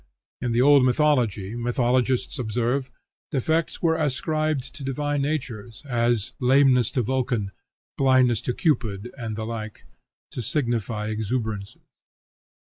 In the old mythology, mythologists observe, defects are ascribed to divine natures, as lameness to Vulcan, blindness to Cupid, and the like, to signify exuberances.